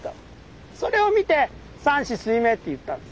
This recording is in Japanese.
それを見て山紫水明って言ったんです。